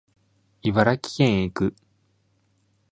茨城県へ行く